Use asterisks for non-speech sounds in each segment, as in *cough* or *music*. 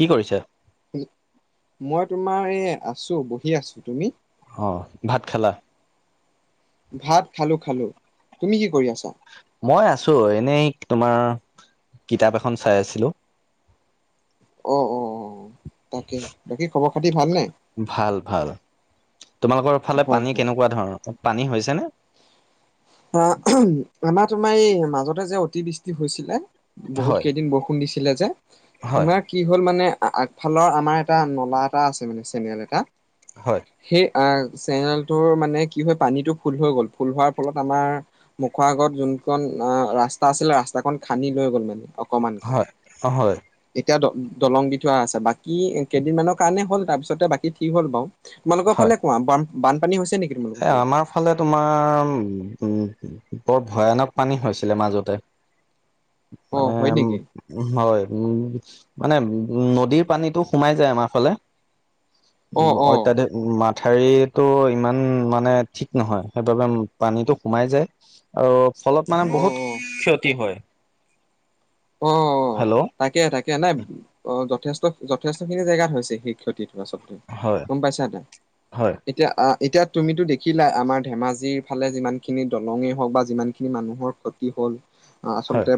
কি কৰিছে? মই তোমাৰ এই আছো বহি আছো, তুমি? অঁ ভাত খালা? ভাত খালো খালো, তুমি কি কৰি আছা? মই আছো এনেই তোমাৰ কিতাপ এখন চাই আছিলো। অ অ অ তাকেহে, বাকী খবৰ খাতি ভাল নে? ভাল ভাল, তোমালোকৰ ফালে হয় পানী হয় কেনেকুৱা ধৰণৰ? পানী হৈছে নে? অ আমাৰ তোমাৰ এই মাজতে যে অতিবৃষ্টি হৈছিলে বহুত হয় কেইদিন বৰষুণ দিছিলে যে হয় তোমাৰ কি হ'ল মানে আগফালৰ আমাৰ এটা নলা এটা আছে মানে চেনিয়েল এটা, হয় সেই অ', চেনেলটোৰ মানে কি হয় পানীতটো ফুল হৈ গ'ল ফুল হোৱাৰ ফলত আমাৰ মুখৰ আগত যোনখন অ', ৰাস্তা আছিলে ৰাস্তাখনন খান্দি লৈ গ'ল মানে অকণমানকৈ হয় হয় এতিয়া দি দলং দি থোৱা আছে বাকী কেইদিনমানৰ কাৰণে হ'ল তাৰপিছতে বাকী ঠিক হ'ল বাৰু। তোমালোকৰ হয়। ফালে কোৱা বান বানপানী হৈছে নেকি? এ আমাৰ ফালে তোমাৰ উ বৰ ভয়ানক পানী হৈছিলে মাজতে। *inaudible* অ', হয় নেকি। হয় উ মানে উ নদীৰ পানীতটো সোমাই যায় আমাৰ ফালে। অ অ অত্যাধিক মাথাৰটো ইমান মানে ঠিক নহয় সেইবাবে পানীটো সোমাই যায় আৰু ফলত মানে অ বহুত অ ক্ষতি হয়। অ', অ'। হেল্ল' তাকে তাকে নাই অ', যথেষ্ট যথেষ্ট খিনি জেগাত হৈছে সেই ক্ষতিটো আচলতে হয় গ'ম পাইছাতে হয় এতিয়া এতিয়া তুমিতো দেখিলা আমাৰ ধেমাজিৰ ফালে যিমানখিনি দলঙেই হওক বা যিমানখিনি মানুহৰ কি হ'ল হয় আচলতে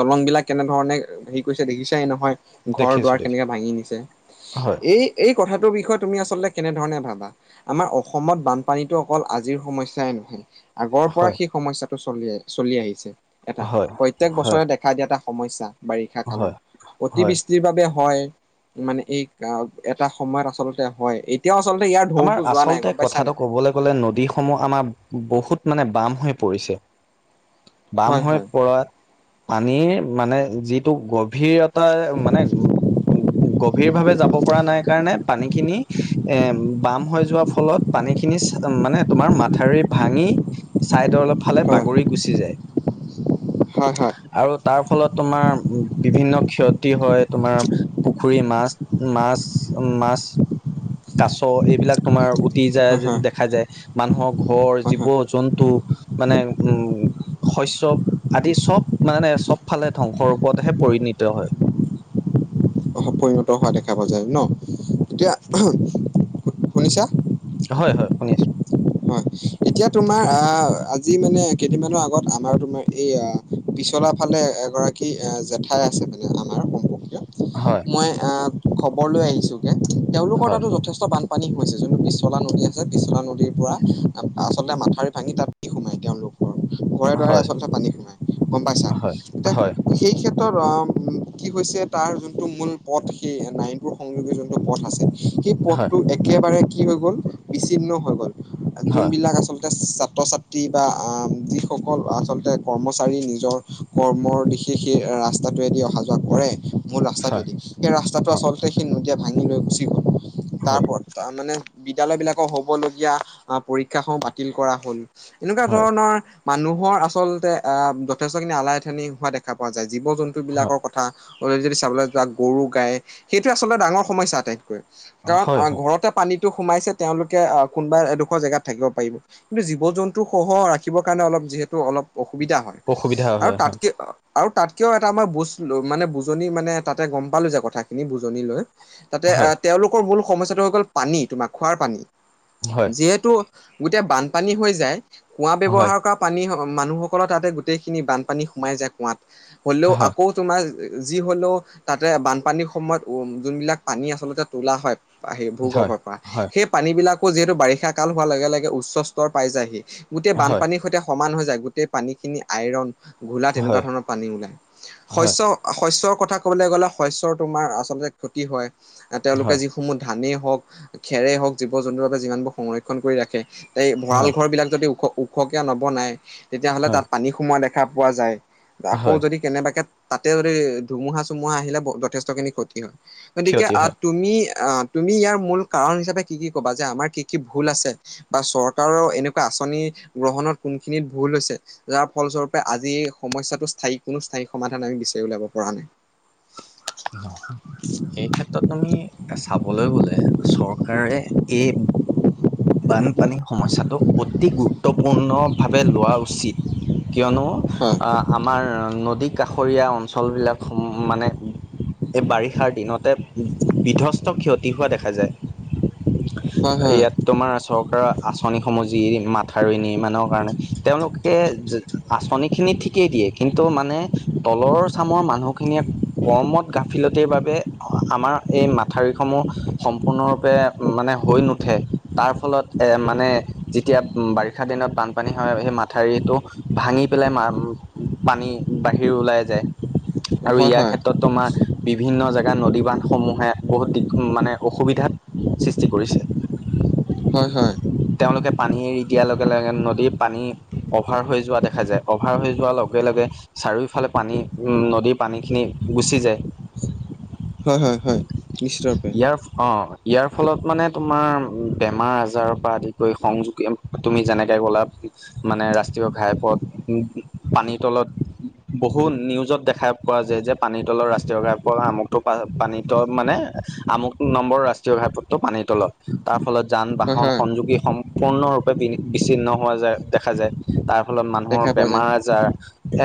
দলং বিলাক কেনেধৰণে হেৰি কৰিছে দেখিছাই নহয় ঘৰ দেখিছো দুৱাৰ দেখি কেনেকে ভাঙি নিছে হয় এই এই কথাটোৰ বিষয়ে তুমি আচলতে কেনেধৰণে ভাবা আমাৰ অসমত বানপানীতো অকল আজিৰ সমস্যাই নহয় আগৰ পৰা হয় সেই সমস্যাটো চলি আহ চলি আহিছে। এটা হয়। প্ৰত্যেক হয় বছৰে দেখা দিয়া এটা সমস্যা বাৰিষা হয় কালত হয় অতি বাবে হয় মানে এই এটা সময়ত আচলতে হয়। এতিয়া আচলতে ইয়াৰ ঢৌ আমাৰ টো যোৱা নাই আচলতে গ'ম কথাটো পাইছানে। ক'বলৈ গ'লে নদী সমূহ আমাৰ বহুত মানে বাম হৈ পৰিছে। বাম হয় হৈ হয় পৰাত পানীৰ মানে যিটো গভীৰত ত মানে গভীৰ ভাৱে যাব পৰা নাই কাৰণে পানী খিনি এ বাম হৈ যোৱাৰ ফলত পানীখিনি মানে তোমাৰ মাথাউৰি ভাঙি চাইদৰ অলপ ফালে হয় বাগৰি গুচি যায় হয়, হয়। আৰু তাৰ ফলত তোমাৰ বিভিন্ন ক্ষতি হয় তোমাৰ পুখুৰী মাছ, মাছ, মাছ কাছ এইবিলাক তোমাৰ উটি হয় যায় দেখা যায় মানুহৰ ঘৰ হয় জীৱ হয় জন্তু মানে উম শস্য আদি চব মানে চব ফালে ধ্বংসৰ ওপৰতহে পৰিণিত হয়। পৰিণত হোৱা দেখা পোৱা যায় ন তেতিয়া শুনিছা। হয়, হয় শুনি আছোঁ। হয়। এতিয়া তোমাৰ আহ আজি মানে কেইদিনমানৰ আগত আমাৰ তোমাৰ এই পিছলা ফালে এগৰাকী কি জেঠাই আছে মানে আমাৰ সম হয় মই আহ খবৰ লৈ আহিছো যে তেওঁলোকৰ হয় তাতো যথেষ্ট বান পানী হৈছে যোনটো পিছলা নদী আছে পিছলা নদীৰ পৰা আচলতে মাথাউৰি ভাঙি তাত দি সোমায় তেওঁলোক ঘৰে দুৱাৰে হয় আচলতে পানী সোমাই গম পাইছা হয় তে হয় সেই ক্ষেত্ৰত আ কি হৈছে তাৰ যোনটো মূল পথ সেই নাইনটোৰ সংযোগী যোনটো পথ আছে সি হয় হয় পথটো একেবাৰে কি হৈ গ'ল বিছিন্ন হৈ গ'ল হয় যোনবিলাক আচলতে ছাত্ৰ ছাত্ৰ টিবা আ-ম যিসকল আচলতে কৰ্মচাৰী নিজৰ কৰ্মৰ দিশ কৃষিৰ ৰাস্তাটোৱেদি অহা যোৱা কৰে মূল হয় ৰাস্তাটোৱেদি সেই ৰাস্তাটো আচলতে সেই নদীয়ে ভাঙি লৈ গুচি গ'ল হয় হয় তাৰপৰত তা মানে বিদ্যালয় বিলাকৰ হ'বলগীয়া আ পৰীক্ষা সমূহ বাতিল কৰা হ'ল এনেকুৱা হয় ধৰণৰ মানুহৰ আচলতে আহ যথেষ্টখিনি আলাই আথানি হোৱা দেখা পোৱা যায় জীৱ জন্তু হয় বিলাকৰ ক থা অলৰে যদি চাবলৈ যোৱা গৰু গাই সেইটোৱে আচলতে ডাঙৰ সমস্যা আটাইতকৈ কাৰণ অ হয় ঘৰতে পানীটো সোমাইছে তেওঁলোকে আহ কোনোবাই ডোখৰ জেগাত থাকিব পাৰিব কিন্তু জীৱ জন্তু সহ ৰাখিবৰ কাৰণে অলপ যিহেতু অলপ অসুবিধা হয় অসুবিধা আৰু হয় হয় তাতকে অ আৰু তাতকেও এটা আমাৰ বুজ মানে বুজনি মানে তাতে গম পালো যে কথাখিনি বুজনি লৈ তাতে হয় তেওঁলোকৰ মূল সমস্যাটো হৈ গ'ল পানী তোমাৰ খোৱাৰ পানী হয় যিহেতু গোটেই বানপানী হৈ যায় কুঁৱা হয় ব্যৱহাৰ কৰা পানী মানুহসকলৰ তাতে গোটেই খিনি বানপানী সোমাই যায় কুঁৱাত হ'লেও হয় হয় হয় আকৌ তোমাৰ যি হ'লেও তাতে বানপানীৰ সময়ত উ যোনবিলাক পানী আচলতে তোলা হয় আহি ভূ গৰ্ভৰ পৰা হয় সেই পানী বিলাকো যিহেতু বাৰিষ ষা কাল হোৱাৰ লগে লগে উচ্চ স্তৰ পাই যায়হি গোটেই হয় হয় বানপানীৰ সৈতে সমান হৈ যায় গোটেই পানীখিনি আইৰণ ঘোলা তেনেকুৱা হয় ধৰণৰ পানী ওলায় হয় শস্য শস্যৰ কথা ক'বলৈ গ'লে শস্যৰ তোমাৰ আচলতে ক্ষতি হয় এহ তেওঁলোকে হয় যিসমূহ ধানেই হওক খেৰে হওক জীৱ জন্তুৰ বাবে যিমানবোৰ সংৰক্ষণ কৰি ৰাখে এই ভঁৰাল ঘৰ বিলাক যদি ওখ ওখকে নবনাই তেতিয়াহ'লে তাত পানী সোমোৱা দেখা পোৱা যায় আকৌ হয় যদি কেনেবাকে তাতে যদি ধুমুহা চুমুহা আহিলে ব যথেষ্ট খিনি ক্ষতি হয় গতিকে ক্ষতি আ হয় তুমি আ তুমি ইয়াৰ মূল কাৰণ হিচাপে কি কি ক'বা যে আমাৰ কি কি ভুল আছে বা চৰকাৰৰ এনেকুৱা আঁচনি গ্ৰহণত কোনখিনিত ভুল হৈছে যাৰ ফলস্বৰূপে আজি সমস্যাটো স্থায়ী কোনো স্থায়ী সমাধান আমি বিচাৰি উলাব পৰা নাই নহ এই ক্ষেত্ৰত তুমি চাবলৈ গ'লে চৰকাৰে এই বানপানীৰ সমস্যাটো অতি গুৰুত্বপূৰ্ণভাৱে লোৱা উচিত কিয়নো হয়, আ আমাৰ নদী কাষৰীয়া অঞ্চলবিলাক মানে এই বাৰিষাৰ দিনতে বিধ্বস্ত ক্ষতি হোৱা দেখা যায় হয় হয় ইয়াত তোমাৰ চৰকাৰৰ আঁচনিসমূহ যি মাথাউৰি নিৰ্মাণৰ কাৰণে তেওঁলোকে যে আঁচনি খিনি ঠিকেই দিয়ে কিন্তু মানে তলৰ চামৰ মানুহখিনিয়ে কৰ্মত গাফিলতিৰ বাবে আমাৰ এই মাথাউৰিসমূহ সম্পূৰ্ণৰূপে মানে হৈ নুঠে তাৰ ফলত মানে যেতিয়া বাৰিষা দিনত বানপানী হয় সেই মাথাউৰিটো ভাঙি পেলাই মা পানী বাহিৰ ওলাই যায় আৰু হয়, ইয়াৰ হয়, ক্ষেত্ৰত তোমাৰ বিভিন্ন জেগাত নদী-বান্ধসমূহে বহুত দি মানে অসুবিধাত সৃষ্টি কৰিছে। *inaudible* হয়, হয়। তেওঁলোকে পানী এৰি দিয়াৰ লগে-লগে নদীৰ পানী অভাৰ হৈ যোৱা দেখা যায়। অভাৰ হৈ যোৱাৰ লগে লগে চাৰিওঁফালে পানী উ নদীৰ পানীখিনি গুচি যায়। হয়, হয়, হয়। নিশ্চিত ৰূপে ইয়াৰ অ, ইয়াৰ ফলত মানে তোমাৰ বেমাৰ-আজাৰৰ পৰা আদি কৰি সংযোগী, তুমি যেনেকে কলা। মানে ৰাষ্ট্ৰীয় ঘাইপথ, পানীৰ তলত বহুত নিউজত দেখা পোৱা যায় যে, পানী তলৰ ৰাস্তা ষ্ট্ৰীয় ঘাইপথ আমুকটো পানী তলত মানে, আমুক নম্বৰ ৰাষ্ট্ৰীয় ঘাইপথটো পানীৰ তলত তাৰ ফলত হয়, যান-বাহন হয়, সংযোগী সম পূৰ্ণৰূপে বি-বিচ্ছিন্ন হোৱা যায়, দেখা যায়। তাৰ ফলত মানুহৰ দেখা পোৱা যায় বেমাৰ-আজাৰ,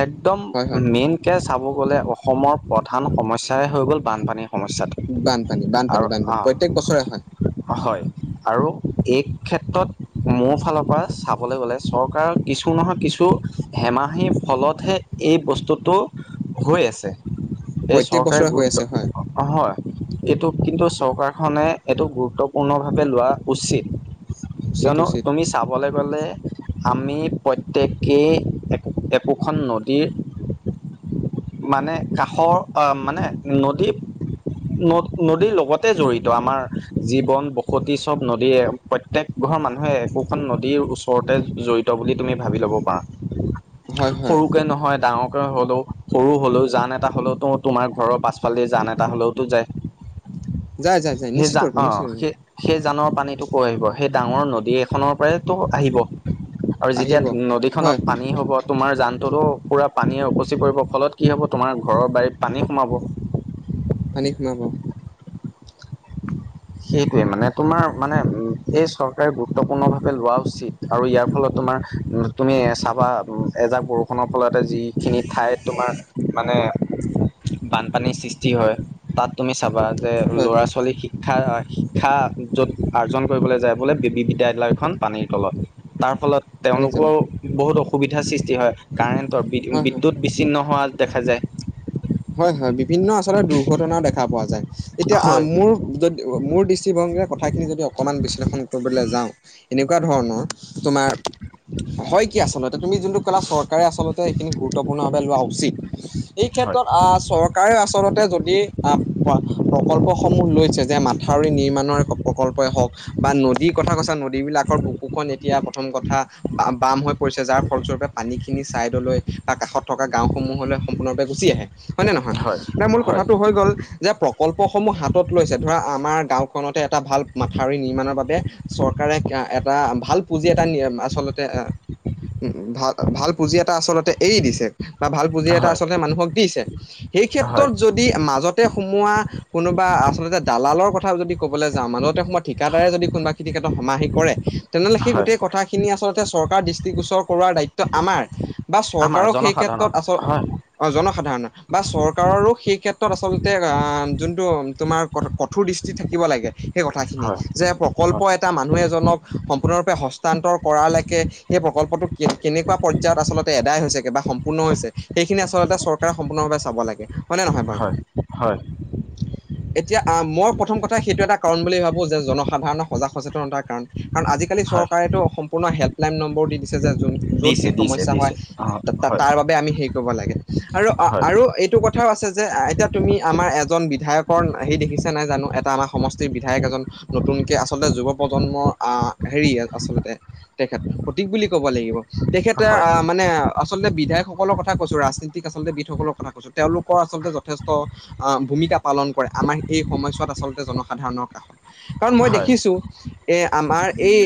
একদম হয়, হয়। মেইনকে চাব গ'লে অসমৰ পথ প্ৰধান সমস্যাই হৈ গ'ল-বানপানীৰ সমস্যাত। বানপানী, বানপানী, বানপানী, প্ৰত্যেক বছৰে হয়। হয় আৰু এই ক্ষেত্ৰত মোৰ ফালৰ পৰা চাবলৈ গ'লে চৰকাৰক কিছু নহয়, কিছু হেমাহিৰ ফলতহে এই বস্তুটো হৈ আছে। এই প্ৰত্যেক চৰকাৰে বছৰে হৈ গুৰুত্ব আছে হয়, অঁ হয়, এইটো কিন্তু চৰকাৰখনে এইটো গুৰুত্বপূৰ্ণভাৱে লোৱা উচিত। উচিত, কিয়নো উচিত। তুমি চাব ক'বলৈ গ'লে আমি প্ৰত্যেকেই এক-একোখন নদীৰ মানে, কাষৰ মানে নদীত ন-নদীৰ লগতে জড়িত, আমাৰ জীৱন-বসতি চব নদীয়ে প্ৰত্যেক ঘৰৰ মানুহে একোখন নদীৰ ওচ ওচৰতে জড়িত বুলি, তুমি ভাবি ল'ব পাৰা। হয়, হয়, সৰুকে নহয়, ডাঙৰকে হ'লেও, সৰু হ'লেও, জান এটা হলেও। তো, তোমাৰ ঘৰৰ পাছফালে জান এটা হ'লেওতো যায়। যায়, যায়, যায় সেই, নিশ্চিত ৰূপে, যা-অ নিশ্চিত ৰূপে সেই সেই জানৰ পানীটো কৰ আহিব, সেই ডাঙৰ নদী এখনৰ পৰাইতো আহিব। আৰু যেতিয়া আহিব। নদীখনত হয়, পানী হ'ব। তোমাৰ জানটোতো পুৰা পানীয়ে উপচি পৰিব, ফলত কি হ'ব? তোমাৰ ঘৰৰ বাৰী পানী সোমাব। পানী সোমাব। *unintelligible* সেইটোৱে মানে, তোমাৰ মানে এই চৰকাৰে গুৰুত্বপূৰ্ণভাৱে লোৱা উচিত। আৰু ইয়াৰ ফলত তোমাৰ তুমি চাবা, এজাক বৰষুণৰ ফলতে যিখিনি ঠাইত তোমাৰ মানে বানপানীৰ সৃষ্টি হয়। তাত তুমি চাবা যে হয়, ল'ৰা-ছোৱালী শিক্ষা-শিক্ষা য'ত আয়োজন কৰিবলে যায় বোলে, বেবী বিদ্যালয়খন পানীৰ তলত, তাৰ ফলত পানী জ্বলা তেওঁলোকৰো বহুত অসুবিধাৰ সৃষ্টি হয়, কাৰেণ্টৰ হয়, হয়। বিদ্যুৎ বিচ্ছিন্ন হোৱা দেখা যায়। হয়, হয়, বিভিন্ন আচলতে দুৰ্ঘটনাও দেখা পোৱা যায়। এতিয়া হয় মোৰ যদি মোৰ দৃষ্টিভংগীৰে কথাখিনি যদি অকণমান বিশ্লেষণ কৰিবলে যাওঁ। এনেকুৱা ধৰণৰ তোমাৰ হয় কি আচলতে, তুমি যোনটো ক'লা চৰ্ত চৰকাৰে আচলতে সেইখিনি গুৰুত্বপূৰ্ণ ভাৱে লোৱা উচিত। এইে ক্ষেত্ৰ হয় আহ চৰকাৰেও আচলতে যদি আহ প্ৰকল্পসমূহ লৈছে যে মাথাউৰি নিৰ্মাণৰ- প্ৰকল্পই হওক, বা নদীৰ কথা কৈছা নদীবলাকৰ বুকুখন এতিয়া প্ৰথম কথা। বা বাম হৈ পৰিছে যাৰ ফলস্বৰূপে পানী খিনি চাইদলৈ- বা কাষত থকা গাওসমূহলৈ সম্পূৰ্ণৰূপে গুচি আহে হয় নে নহয় হয় ন মূল হয় কথাটো হৈ গ'ল- যে প্ৰকল্পসমূহ হাতত লৈছে ধৰা আমাৰ গাঁওখনতে এটা ভাল মাথাউৰি নিৰ্মাণৰ বাবে- চৰকাৰে এটা ভাল পুঁজি এটা আচলতে এ- উম ভাল ভাল পুঁজি এটা আচলতে এৰি দিছে। বা ভাল পুঁজি এটা হয় আচলতে মানুহক দিছে সেই হয় ক্ষেত্ৰত - যদি মাজতে সোমোৱা কোনোবা আচলতে দালালৰ কথা যদি ক'বলৈ যাওঁ মাজত- সময়ত ঠিকাদাৰে যদি কোনোবােই কেতত সমাহিত কৰে- তেনেহলে সেই হয় গোটেই কথাখিনি আচলতে চৰকাৰ দৃষ্টিগোচৰ কৰোৱাৰ দায়িত্ব আমাৰ। বা আমাৰ চৰকাৰক সেই জনসাধাৰণৰ ক্ষেত্ৰত আচল- হয় অ জনসাধাৰণৰ বা চৰকাৰৰো সেই ক্ষেত্ৰত আচলতে যোনটো তোমাৰ- কঠোৰ দৃষ্টিত থাকিব লাগে সেই কথাখিনি হয় যে প্ৰকল্প হয় এটা মানুহ এজনক- সম্পূৰ্ণৰূপে হস্তান্তৰ কৰালৈকে- সেই প্ৰকল্পটো কে কেনেকুৱা পৰ্যায়ত আচলতে এদায় হৈছে কে বা সম্পূৰ্ণ হৈছে- সেইখিনি আচলতে চৰকাৰে সম্পূৰ্ণভাৱে চাব লাগে, হয়নে নহয় বাৰু? হয় *unintelligible* এতিয়া আহ মই প্ৰথম কথাাই সেইটো এটা কাৰণ বুলি ভাবো যে জনসাধাৰণৰ সজাগ সচেতনতাৰ কাৰণ কাৰণ আজি- আজিকালি হয় চৰকাৰেতো সম্পূৰ্ণ হেল্পলাইন নম্বৰ দি দিছে যে য য'ত দিছে যি দিছে সমস্যা দিছে হয়- অ হয় তাৰ বাবে আমি হেৰি কৰিব লাগে, আৰু- হয় আৰু এইটো কথাও আছে যে এতিয়া তুমি আমাৰ এজন বিধায়কৰ সেই দেখিছা নাই জানো এটা আমাৰ সমস- বিধায়ক এজন নতুনকে আচলতে যুৱ প্ৰজন্মৰ আহ হেৰি আচলতে- তেখেত সঠিক বুলি ক'ব লাগিব। তেখেতে হয় আহ মানে আচলতে বিধায়কসকলৰ কথা কৈছো ৰাজনীতিক আচলতে বিদসকলক- কথা কৈছো তেওঁলোকৰ আচলতে যথেষ্ট- আহ ভূমিকা পালন কৰে আমাৰ এই সময়ছোৱাত আচলতে জনসাধাৰণৰ কাষত- কাৰণ মই হয় দেখিছোঁ, এ আমাৰ এই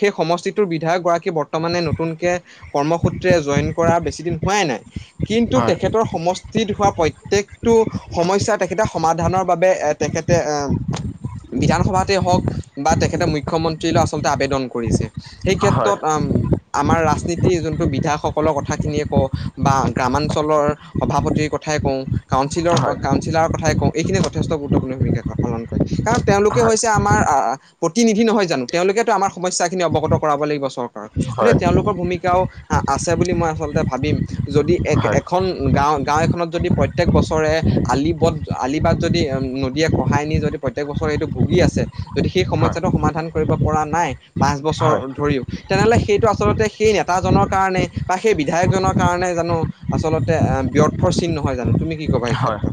সেই সমষ্টিত- বিধায়ক গৰাকী বৰ্তমানে নতুনকে কৰ্মসূত্ৰে জইন কৰা বেছি দিন হোৱাই নাই। কিন্তু হয় তেখেতৰ সমষ্টিত হোৱা প্ৰত্যেকটো- সমস্যয়া তেখেতে সমাধানৰ বাবে এ তেখেতে এ- বিধানসভাতেই হওক বা তেখেতে মুখ্যমন্ত্ৰীলৈ আচলতে আবেদন কৰিছে। সেই হয় হয় ক্ষেত্ৰত আম- আমাৰ ৰাজনীতি যোনটো বিধায়কসকলৰ কথা খিনিয়ে কওঁ বা গ্ৰামাঞ্চলৰ- সভাপতিৰ কথাই কওঁ কাউন্ঞ্চিলৰ হয় কাউন্ঞ্চিলাৰৰ কথাই কওঁ এইখিনিয়ে যথেষ্ট গুৰুত্বপূৰ্ণ ভূমিকা পালন কৰে। কাৰণ তেওঁলোকে হয় হৈছে আমাৰ আহ- প্ৰতিনিধি নহয় জানো তেওঁলোকেতো আমাৰ সমস্যাখিনি অৱগত কৰাব লাগিব চৰকাৰ- হয় গতিকে হয় তেওঁলোকৰ ভূমিকাও আছে বুলি মই আচলতে ভাবিম যদি এ এখন- গাঁওঁ গাঁও এখনত যদি প্ৰত্যেক বছৰে- আলি বট আলিবাট যদি নদীয়ে খহাই নি যদি প্ৰত্যয়েক বছৰ সেইটো ভুগি আছে। যদি সেই সমস্যাটো সমাধান কৰিব পৰা নাই পাঁচ বছৰ হয় হয় ধৰিও তেনেহলে সেইটো আচলতে- সেই নেতাজনৰ কাৰণে বা সেই বিধায়কজনৰ কাৰণে জানো আচলতে- ব্যৰ্থৰ চীন নহয় জানো? তুমি কি ক'বা এই হয় ক্ষেত্ৰত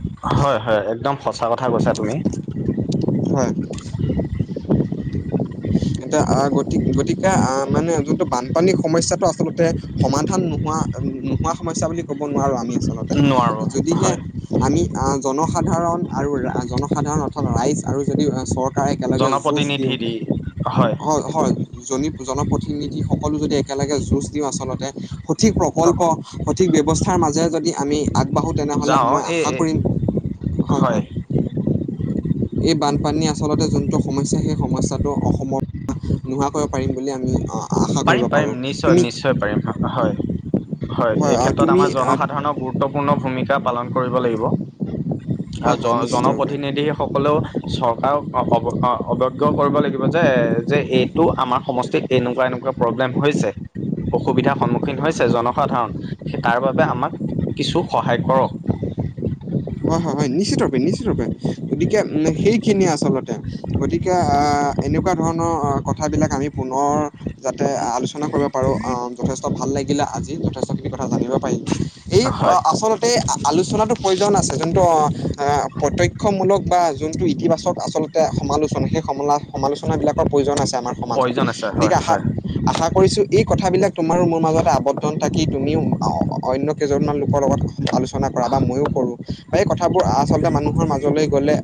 হয় হয় একদম সঁচা কথা কৈছা তুমি। হয়। *inaudible* এয়া গতি গতিকে আহ মানে যোনটো বানপানীৰ সমস্যাটো আচলতে সমাধান নোহোৱা। নোহোৱা সমস্যা বুলি ক'ব নোৱাৰোঁ আমি আচলতে নোৱাৰোঁ যদিহে। হয় আমি জনসাধাৰণ আৰু জনসাধাৰণ অৰ্থাৎ ৰাইজ আৰু যদি চৰকাৰ। একেলগে যুঁজ জনপ্ৰতিনিধি দিওঁ, দি হয় হয়। জন জনপ্ৰতিনিধি সকলো যদি একেলগে যুঁজ দিওঁ আচলতে সঠিক প্ৰকল্প। সঠিক ব্যৱস্থাৰ মাজেৰে যদি আমি আগবাঢ়ো তেনেহ'লে যাওঁ মই এই আশা কৰিম হয় হয়। *inaudible* এই বানপানী আচলতে যোনটো সমস্যয়া সেই সমস্যাটো অসমৰ। নোহোৱা কৰিব পাৰিম বুলি আমি অ'। পাৰিম - পাৰিম নিশ্চয়, নিশ্চয় পাৰিম হয়। হয়, এই আহ, ক্ষেত্ৰত তুমি আমাৰ আহ, জনসাধাৰণৰ গুৰুত্ব। গুৰুত্বপূৰ্ণ ভূমিকা পালন কৰিব লাগিব আৰু হয় হয় জন নিশ্চিত ৰূপে জনপ্ৰতিনিধি সকলেও। চৰকাৰক অৱজ্ঞ কৰিব লাগিব যে, যে এইটো আমাৰ সমষ্টিত এনেকুৱা - এনেকুৱা। প্ৰব্লেম হৈছে। অসুবিধাৰ সন্মুখীন হৈছে জনসাধাৰণ, সেই তাৰ বাবে আমাক কিছু সহায় কৰক। হয় হয় হয়, নিশ্চিত ৰপে নিশ্চিত ৰপে গতিকে। সেইখিনিয়ে আচলতে, গতিকে এনেকুৱা ধৰণৰ কথাবিলাক আমি পুনৰ। যাতে আলোচনা। পাৰো আহ যথেষ্ট ভাল লাগিলে আজি যথেষ্টখিনি কথা জানিব পাৰিম এই হয় আচলতে। আলোচনাাতটো প্ৰয়োজন আছে। যোনটো প্ৰত্যক্ষমূলক বা যোনটো ইতিবাচক আচলতে সমালোচনা সেই সমালোচনা। সমালোচনা বিলাকৰ প্ৰয়োজন আছে আমাৰ সমাজত, প্ৰয়োজন আছে হয় গতিকে আ। হয় আশা কৰিছো এই কথাবিলাক তোমাৰো মোৰ মাজতে আৱটন থাকি তুমিও অন্য কেইজনমান লোকৰ লগত। আলোচনা কৰা বা মইো কৰো, বা এই কথাবোৰ আচলতে মানুহৰ মাজলৈ গ'লে।